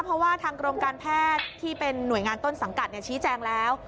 เพราะว่าทางกรมการแพทย์ที่เป็นหน่วยงานต้นสังกัดชี้แจงแล้ว